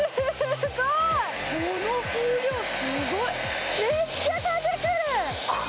すっごい。